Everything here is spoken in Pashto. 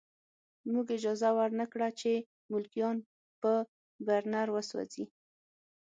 موږ اجازه ورنه کړه چې ملکیان په برنر وسوځوي